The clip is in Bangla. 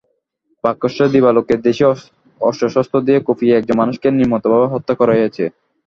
প্রকাশ্য দিবালোকে দেশি অস্ত্রশস্ত্র দিয়ে কুপিয়ে একজন মানুষকে নির্মমভাবে হত্যা করা হয়েছে।